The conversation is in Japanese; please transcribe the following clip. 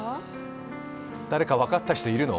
誰か分かった人いるの？